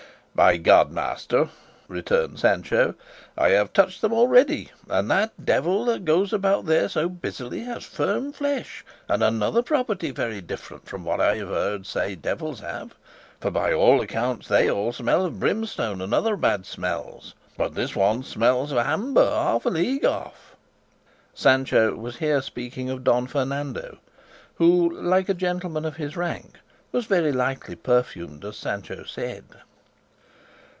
"By God, master," returned Sancho, "I have touched them already; and that devil, that goes about there so busily, has firm flesh, and another property very different from what I have heard say devils have, for by all accounts they all smell of brimstone and other bad smells; but this one smells of amber half a league off." Sancho was here speaking of Don Fernando, who, like a gentleman of his rank, was very likely perfumed as Sancho said.